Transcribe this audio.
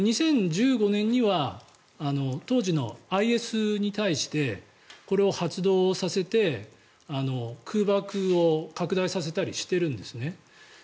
２０１５年には当時のＩＳに対してこれを発動させて、空爆を拡大させたりしてるんですね。